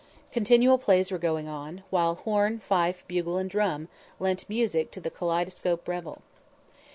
Continual plays were going on, while horn, fife, bugle and drum lent music to the kaleidoscopic revel.